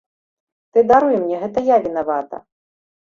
Ты даруй мне, гэта я вінавата.